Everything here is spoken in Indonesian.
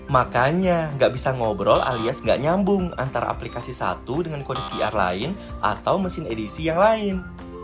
makanya nggak bisa ngobrol alias nggak nyambung antara aplikasi satu dengan kode qr lain atau mesin edisi yang lain